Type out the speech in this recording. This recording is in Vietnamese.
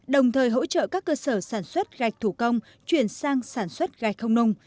đồng thời hỗ trợ các cơ sở sản xuất gạch thủ công chuyển sang sản xuất gạch không nung